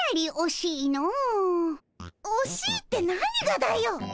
おしいって何がだよ。